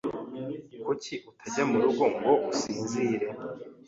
Kuki utajya murugo ngo usinzire?